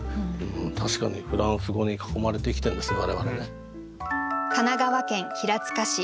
確かにフランス語に囲まれて生きてるんです我々ね。